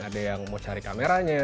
ada yang mau cari kameranya